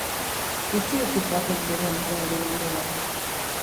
Utziozu joaten bere andrearen ondora.